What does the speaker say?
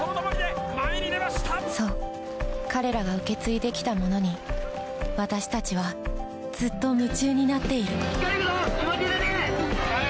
そう彼らが受け継いできたものに私たちはずっと夢中になっている・行けるぞ！